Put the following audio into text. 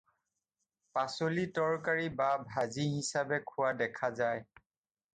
পাচলি তৰকাৰী বা ভাজি হিচাপে খোৱা দেখা যায়।